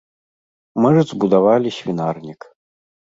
Мы ж збудавалі свінарнік.